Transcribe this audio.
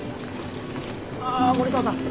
ああ森澤さん。